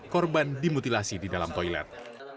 korban dimutilasi di dalam toilet